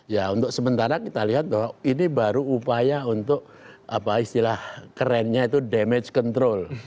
ya untuk sementara kita lihat bahwa ini baru upaya untuk apa istilah kerennya itu damage control